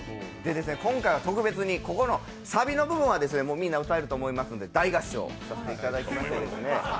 今回は特別にここのさびの部分はみんな歌えると思いますんで大合唱させていただきたいと思いますね。